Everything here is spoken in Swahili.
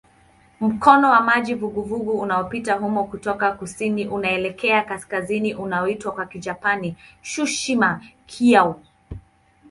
Mkondo wa maji vuguvugu unapita humo kutoka kusini kuelekea kaskazini unaoitwa kwa Kijapani "Tsushima-kairyū".